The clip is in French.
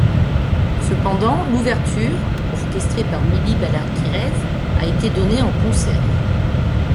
Cependant l'ouverture, orchestrée par Mily Balakirev a été donnée en concert.